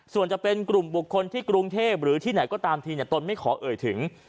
ส่วนจะเป็นกลุ่มบุคคลที่กรุงเทพหรือที่ไหนก็ตามทีตนไม่ขอเอ่ยถึง